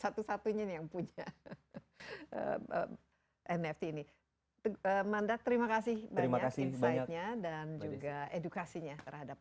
satu satunya yang punya nfc ini mandat terima kasih terima kasih banyak dan juga edukasinya terhadap